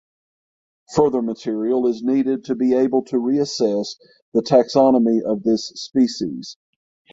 Further material is needed to be able to reassess the taxonomy of this species.